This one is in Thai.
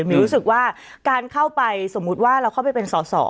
มิวรู้สึกว่าการเข้าไปสมมุติว่าเราเข้าไปเป็นสอสอ